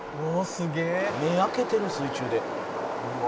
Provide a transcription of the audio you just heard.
「すげえ！」「目開けてる水中で」